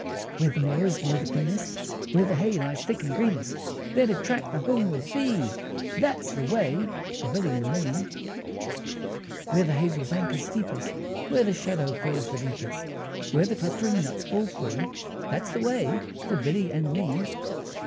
Where the mowers mow the cleanest, Where the hay lies thick and greenest, There to track the homeward bee, That's the way for Billy and me. Where the hazel bank is steepest, Where the shadow falls the deepest, Where the clustering nuts fall free, That's the way for Billy and me.